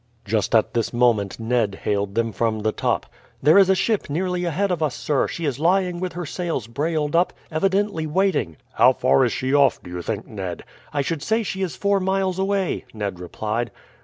Just at this moment Ned hailed them from the top. "There is a ship nearly ahead of us, sir; she is lying with her sails brailed up, evidently waiting." "How far is she off, do you think, Ned?" "I should say she is four miles away," Ned replied.